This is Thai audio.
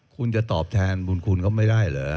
คุณจะตอบแทนบุญคุณเขาไม่ได้เหรอ